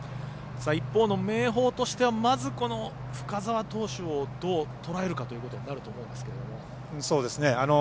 一方、明豊としては深沢投手をどうとらえるかということになるかと思うんですけれども。